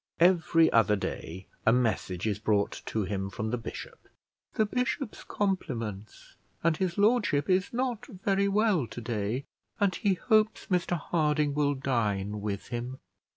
Every other day a message is brought to him from the bishop. "The bishop's compliments, and his lordship is not very well to day, and he hopes Mr Harding will dine with him."